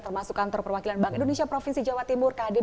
termasuk kantor perwakilan bank indonesia provinsi jawa timur kdr